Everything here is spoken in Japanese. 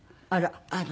あら。